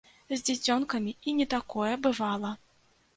З дзіцёнкамі і не такое бывала!